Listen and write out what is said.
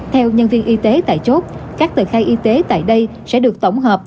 theo nhân viên y tế tại chốt các tờ khai y tế tại đây sẽ được tổng hợp